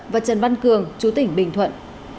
và trần văn cường chủ tỉnh bình thuận